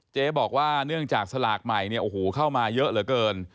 เจ๊บอกว่าเนื่องจากสลากใหม่เนี่ยโอ้โหเข้ามาเยอะเหลือเกิน